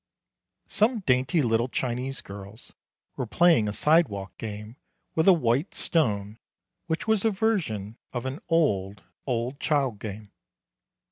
Some dainty little Chinese girls were playing a sidewalk game with a white stone which was a version of an old, old child game.